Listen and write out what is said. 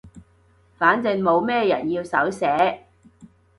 反正冇咩人要手寫